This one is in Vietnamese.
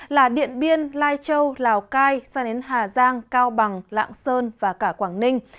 là điện biên lai châu lào cai sang đến hà giang cao bằng lạng sơn và cả quảng ninh